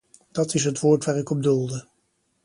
Dat is het woord waar ik op doelde.